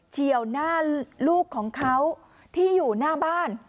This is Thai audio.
เชี่ยวหน้าลูกของเขาที่อยู่หน้าบ้าน